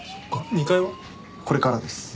２階は？これからです。